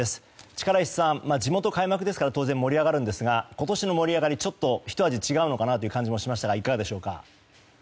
力石さん、地元開幕ですから当然、盛り上がるんですが今年の盛り上がりはひと味違うのかなという気もしました。